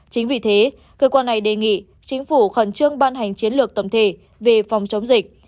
chính vì thế cơ quan này đề nghị chính phủ khẩn trương ban hành chiến lược tổng thể về phòng chống dịch